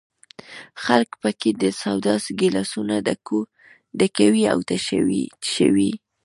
خلک په کې د سودا ګیلاسونه ډکوي او تشوي.